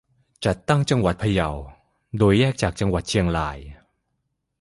จัดตั้งจังหวัดพะเยา โดยแยกจากจังหวัดเชียงราย